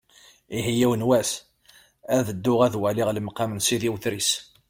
Ihi yiwen wass, ad dduɣ ad waliɣ lemqam n Sidi Udris.